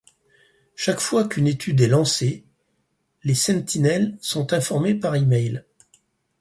Chaque fois qu'une étude est lancée, les Seintinelles sont informées par email.